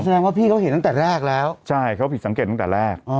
ว่าพี่เขาเห็นตั้งแต่แรกแล้วใช่เขาผิดสังเกตตั้งแต่แรก